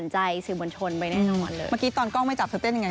น่าเอ็นดูอ่ะ